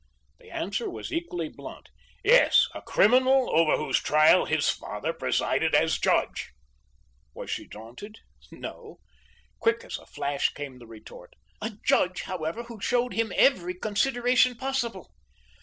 The answer was equally blunt: "Yes; a criminal over whose trial his father presided as judge." Was she daunted? No. Quick as a flash came the retort. "A judge, however, who showed him every consideration possible.